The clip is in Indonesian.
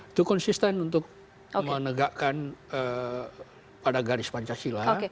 itu konsisten untuk menegakkan pada garis pancasila